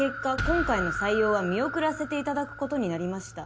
今回の採用は見送らせていただくことになりました」